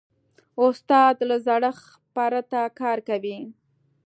استاد له زړښت پرته کار کوي.